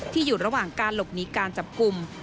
อยู่ระหว่างการหลบหนีการจับกลุ่ม